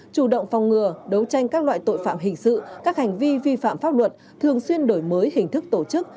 chủ động phòng ngừa đấu tranh các loại tội phạm hình sự các hành vi vi phạm pháp luật thường xuyên đổi mới hình thức tổ chức